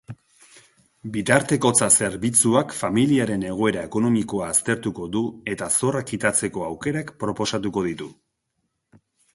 Bitartekotza-zerbitzuak familiaren egoera ekonomikoa aztertuko du eta zorra kitatzeko aukerak proposatuko ditu.